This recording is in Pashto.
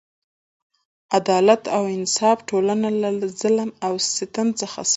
عدالت او انصاف ټولنه له ظلم او ستم څخه ساتي.